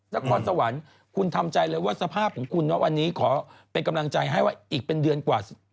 นครสวรรค์คุณทำใจเลยว่าสภาพของคุณนะวันนี้ขอเป็นกำลังใจให้ว่าอีกเป็นเดือนกว่า